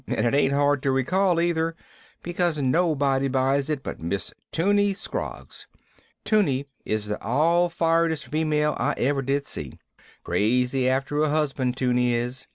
"And it ain't hard to recall, either, because nobody buys it but Miss 'Tunie Scroggs. 'Tunie is the all firedest female I ever did see. Crazy after a husband, 'Tunie is."